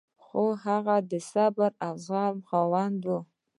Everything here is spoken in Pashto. خو هغه د صبر او زغم خاوند و.